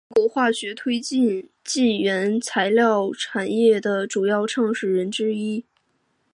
中国化学推进剂原材料产业的主要创始人之一。